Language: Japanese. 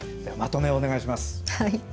まとめをお願いします。